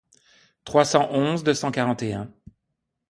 trois cent onze deux cent quarante et un.